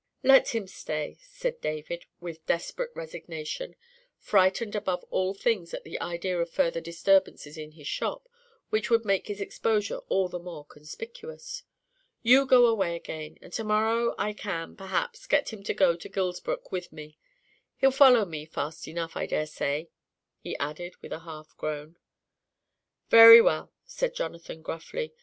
"Let him stay," said David, with desperate resignation, frightened above all things at the idea of further disturbances in his shop, which would make his exposure all the more conspicuous. "You go away again, and to morrow I can, perhaps, get him to go to Gilsbrook with me. He'll follow me fast enough, I daresay," he added, with a half groan. "Very well," said Jonathan, gruffly.